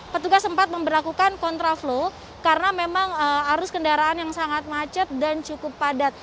petugas sempat memperlakukan kontraflow karena memang arus kendaraan yang sangat macet dan cukup padat